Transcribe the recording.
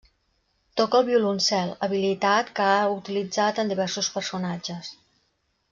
Toca el violoncel, habilitat que ha utilitzat en diversos personatges.